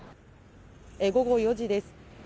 午後４時です。